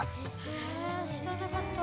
へえ知らなかった。